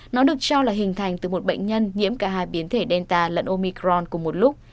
nó được cho là hình thành từ một bệnh nhân nhiễm cả hai biến thể delta lẫn omicron cùng một lúc